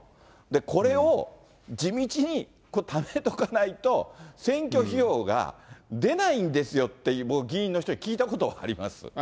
これを地道にためておかないと、選挙費用が出ないんですよっていう、僕、議員の人に聞いたことあります。